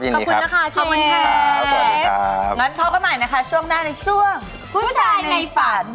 โปรดติดตามตอนต่อไป